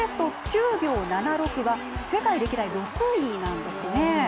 ９秒７６は世界歴代６位なんですね。